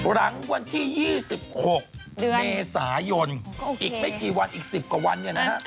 หลังวันที่๒๖เมษายนอีกไม่กี่วันอีก๑๐กว่าวันเนี่ยนะฮะ